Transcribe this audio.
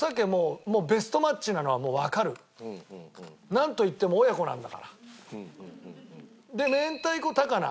なんといっても親子なんだから。で明太子高菜